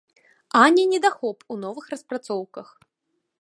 А не недахоп у новых распрацоўках.